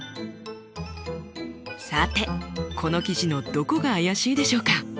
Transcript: さてこの記事のどこが怪しいでしょうか？